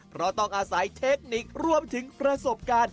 เพราะต้องอาศัยเทคนิครวมถึงประสบการณ์